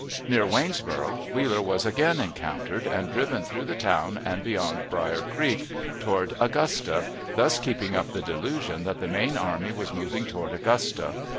Near Waynesboro' Wheeler was again encountered, and driven through the town and beyond Brier Creek, toward Augusta, thus keeping up the delusion that the main army was moving toward Augusta.